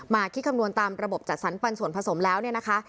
คิดคำนวณตามระบบจัดสรรปันส่วนผสมแล้วเนี่ยนะคะ